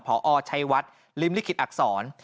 พอชัยวัดริมลิขิตอักษร